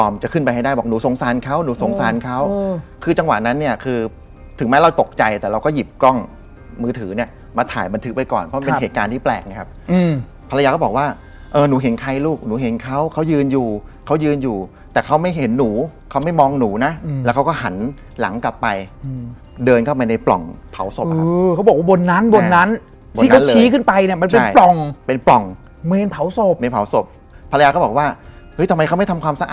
มันพุ่งเข้ามาแล้วก็หายไปนะฮะ